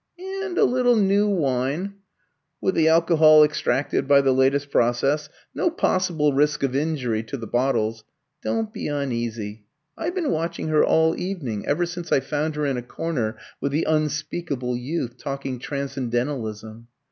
"And a little new wine with the alcohol extracted by the latest process; no possible risk of injury to the bottles. Don't be uneasy; I've been watching her all evening, ever since I found her in a corner with the unspeakable youth, talking transcendentalism.